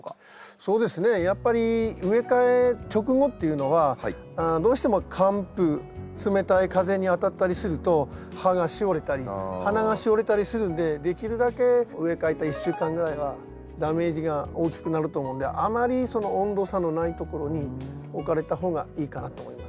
そうですねやっぱり植え替え直後っていうのはどうしても寒風冷たい風に当たったりすると葉がしおれたり花がしおれたりするんでできるだけ植え替えた１週間ぐらいはダメージが大きくなると思うんであまりその温度差のないところに置かれた方がいいかなと思います。